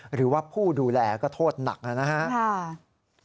หรือว่าผู้ดูแลก็โทษหนักนะครับ